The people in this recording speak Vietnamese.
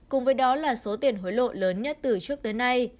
cùng với đó là số tiền hối lộ lớn nhất từ trước tới nay